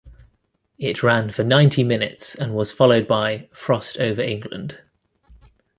It ran for ninety minutes and was followed by "Frost over England".